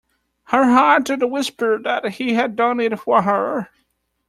Her heart did whisper that he had done it for her.